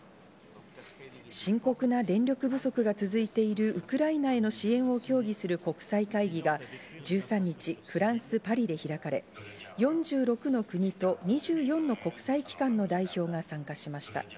深刻な電力不足が続いているウクライナへの支援を協議する国際会議が１３日、フランス・パリで開かれ、４６の国と２４の国際機関の代表が参加しました。